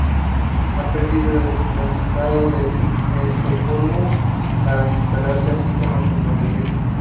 Ha pedido el traslado a Estocolmo para instalarse así con su prometido.